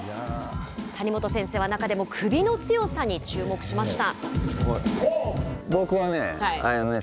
谷本先生は中でも首の強さに注目しました。